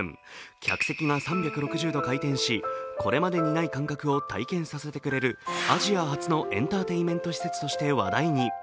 客席が３６０度回転し、これまでにない感覚を体験させてくれるアジア初のエンターテインメント施設として話題に。